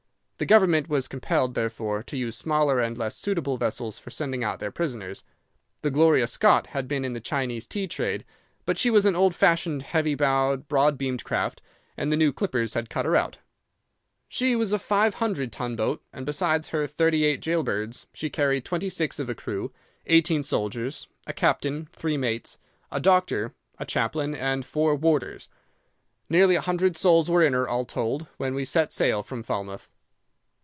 The government was compelled, therefore, to use smaller and less suitable vessels for sending out their prisoners. The Gloria Scott had been in the Chinese tea trade, but she was an old fashioned, heavy bowed, broad beamed craft, and the new clippers had cut her out. She was a five hundred ton boat, and besides her thirty eight gaol birds, she carried twenty six of a crew, eighteen soldiers, a captain, three mates, a doctor, a chaplain, and four warders. Nearly a hundred souls were in her, all told, when we set sail from Falmouth.